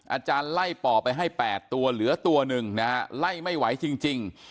อาจารย์ไล่ปอบไปให้๘ตัวเหลือ๑ตัวไล่ไม่ไหวจริง